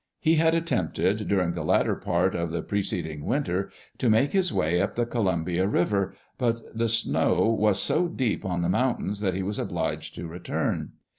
He had at tempted, during the latter part of the pre ceding winter to make his way up the Co lumbia River, but the snow was so deep on the mountains that he was obliged to return.